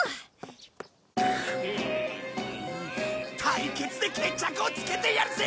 対決で決着をつけてやるぜ！